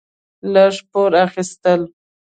لږ پور اخيستل: